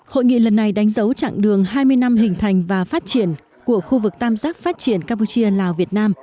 hội nghị lần này đánh dấu chặng đường hai mươi năm hình thành và phát triển của khu vực tam giác phát triển campuchia lào việt nam